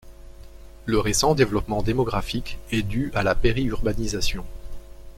Le récent développement démographique est dû à la périurbanisation.